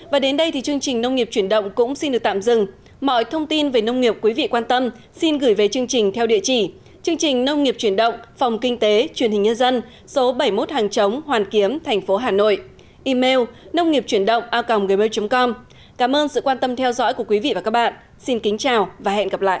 và đến đây thì chương trình nông nghiệp chuyển động cũng xin được tạm dừng mọi thông tin về nông nghiệp quý vị quan tâm xin gửi về chương trình theo địa chỉ chương trình nông nghiệp chuyển động phòng kinh tế truyền hình nhân dân số bảy mươi một hàng chống hoàn kiếm thành phố hà nội email a gmail com cảm ơn sự quan tâm theo dõi của quý vị và các bạn xin kính chào và hẹn gặp lại